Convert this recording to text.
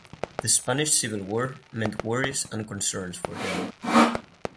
The Spanish Civil War meant worries and concerns for him.